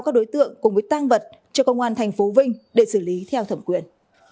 các đối tượng cùng với tang vật cho công an thành phố vinh để xử lý theo thẩm quyền